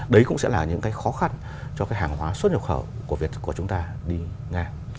đấy cũng sẽ là những cái khó khăn cho cái hàng hóa xuất nhập khẩu của việt của chúng ta đi nga